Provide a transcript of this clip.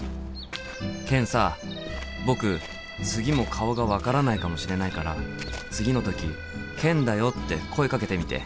ケンさ僕次も顔が分からないかもしれないから次の時「ケンだよ」って声かけてみて。